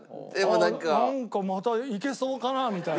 なんかまたいけそうかなみたいな。